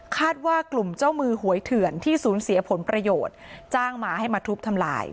ว่ากลุ่มเจ้ามือหวยเถื่อนที่สูญเสียผลประโยชน์จ้างมาให้มาทุบทำลาย